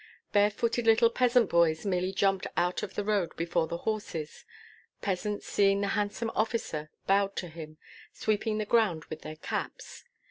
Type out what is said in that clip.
Barefooted little peasant boys merely jumped out of the road before the horses; peasants seeing the handsome officer, bowed to him, sweeping the ground with their caps.